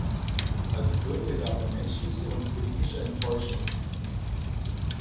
Als Gründe gab er menschliche und politische Enttäuschung an.